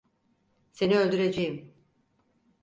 Seni öldüreceğim.